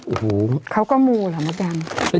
อื้อหูเขาก็มูหลังแล้วกัน